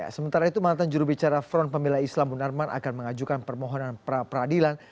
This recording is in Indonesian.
sementara itu mantan jurubicara front pemilai islam munarman akan mengajukan permohonan pra peradilan